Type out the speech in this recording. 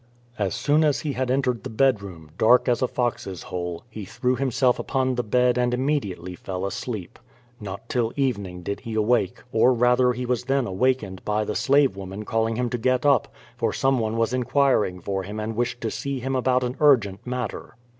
• As soon as he had entered the bedroom, dark as a fox's hole, he threw himself upon the bed and immediately fell asleep. Not till evening did he awake, or rather he was then awakened by the slave woman calling him to get up, for someone was inquiring for him and wished to see him about an urgent matter.